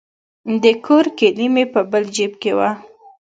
د کور کیلي مې په بل جیب کې وه.